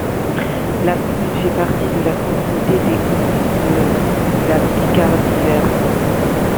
La commune fait partie de la communauté de communes de la Picardie Verte.